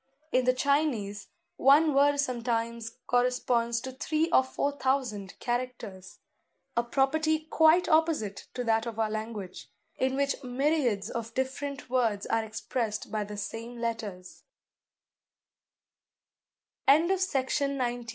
In the Chinese one word sometimes corresponds to three or four thousand characters; a property quite opposite to that of our language, in which myriads of different words are expressed by the